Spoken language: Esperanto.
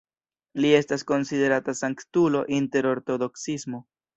Li estas konsiderata sanktulo inter Ortodoksismo.